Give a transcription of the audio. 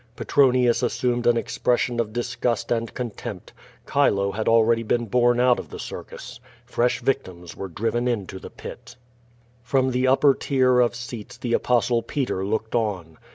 Petronius assumed an expression of disgust and con tempt. Chilo had already been borne out of the circus. Fresh victims were driven into the pit. 4i8 Q^O VADI8. From the upper tier of seats the Apostle Peter looked on.